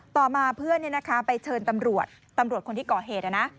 ต่อมาเพื่อนไปเชิญตำรวจตำรวจคนที่ก่อเหตุ